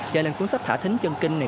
cho nên cuốn sách thả thính chân kinh này